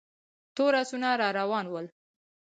تور آسونه را روان ول.